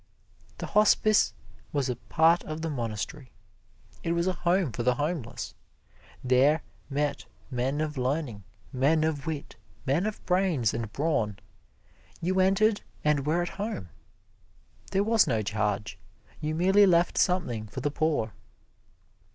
The hospice was a part of the monastery. It was a home for the homeless. There met men of learning men of wit men of brains and brawn. You entered and were at home. There was no charge you merely left something for the poor.